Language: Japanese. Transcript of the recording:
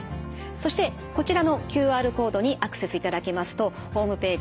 そしてこちらのＱＲコードにアクセスいただきますとホームページ